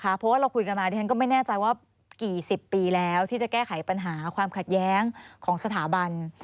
เพราะว่าเราคุยกันมาดิฉันก็ไม่แน่ใจว่ากี่สิบปีแล้วที่จะแก้ไขปัญหาความขัดแย้งของสถาบัน